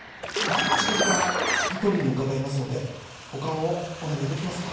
近々引き取りに伺いますので保管をお願いできますか。